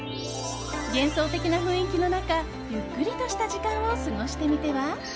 幻想的な雰囲気の中ゆっくりとした時間を過ごしてみては？